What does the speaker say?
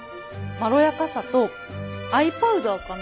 まろやかさと藍パウダーかな。